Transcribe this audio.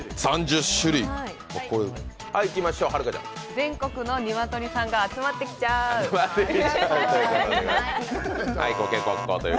全国のニワトリさんが集まってきちゃーう。